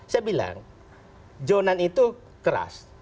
saya bilang jonan itu keras